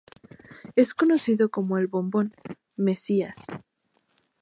Es conocido como el "Bombón" Mesías.